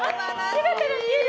姿が見える。